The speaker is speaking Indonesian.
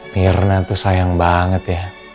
mirna tuh sayang banget ya